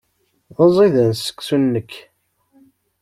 D aẓidan seksu-nnek.